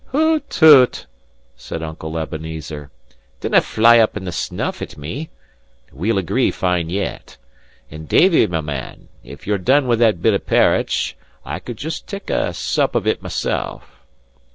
"Hoot toot!" said Uncle Ebenezer, "dinnae fly up in the snuff at me. We'll agree fine yet. And, Davie, my man, if you're done with that bit parritch, I could just take a sup of it myself.